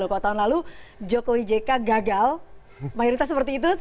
kalau tahun lalu joko widjika gagal mayoritas seperti itu